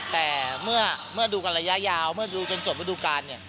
แต่เมื่อดูกันระยะยาวเมื่อดูจนจนวิดูการ